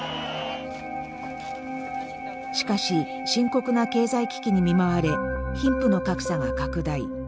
しかし深刻な経済危機に見舞われ貧富の格差が拡大。